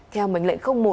theo mệnh lệnh một